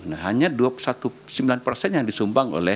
nah hanya dua puluh sembilan persen yang disumbang oleh